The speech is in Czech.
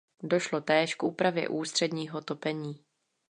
Došlo též k úpravě ústředního topení.